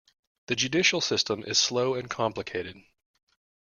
The judicial system is slow and complicated.